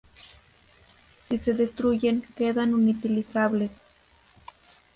Si se destruyen, quedan inutilizables.